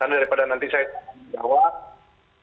karena daripada nanti saya jawab